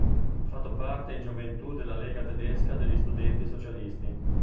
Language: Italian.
Ha fatto parte in gioventù della Lega tedesca degli studenti socialisti.